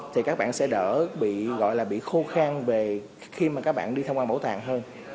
thì các bạn sẽ đỡ bị gọi là bị khô khang về khi mà các bạn đi tham quan bảo tàng hơn